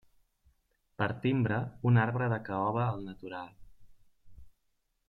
Per timbre, un arbre de caoba al natural.